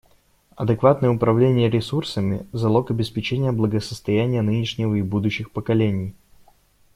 Адекватное управление ресурсами — залог обеспечения благосостояния нынешнего и будущих поколений.